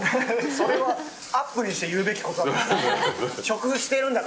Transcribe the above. それはアップにして言うべきことですか。